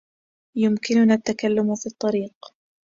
يمكننا التّكلّم في الطّريق.